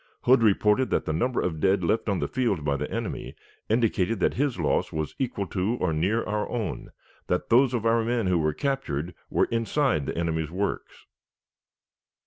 Hood reported that the number of dead left on the field by the enemy indicated that his loss was equal to or near our own; that those of our men who were captured were inside the enemy's works.